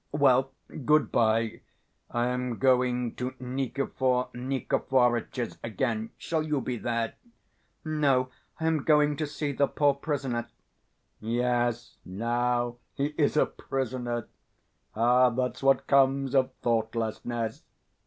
Well, good bye, I am going to Nikifor Nikiforitch's again: shall you be there?" "No, I am going to see the poor prisoner." "Yes, now he is a prisoner!... Ah, that's what comes of thoughtlessness!"